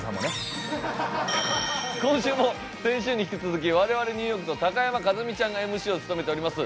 今週も先週に引き続き我々ニューヨークと高山一実ちゃんがＭＣを務めております